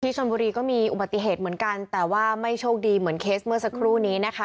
ชนบุรีก็มีอุบัติเหตุเหมือนกันแต่ว่าไม่โชคดีเหมือนเคสเมื่อสักครู่นี้นะคะ